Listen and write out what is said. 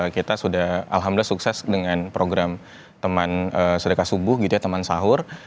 kita sudah alhamdulillah sukses dengan program teman sedekah subuh gitu ya teman sahur